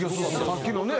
さっきのね